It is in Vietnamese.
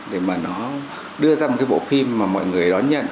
để mà nó đưa ra một cái bộ phim mà mọi người đón nhận